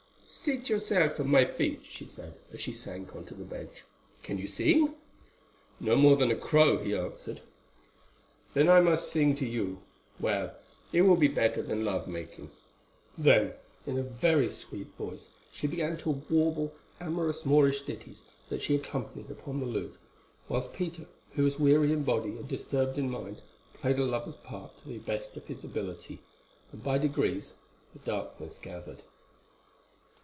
"Seat yourself at my feet," she said, as she sank on to the bench. "Can you sing?" "No more than a crow," he answered. "Then I must sing to you. Well, it will be better than the love making." Then in a very sweet voice she began to warble amorous Moorish ditties that she accompanied upon the lute, whilst Peter, who was weary in body and disturbed in mind, played a lover's part to the best of his ability, and by degrees the darkness gathered.